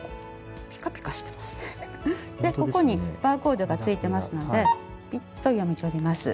でここにバーコードがついてますのでピッと読み取ります。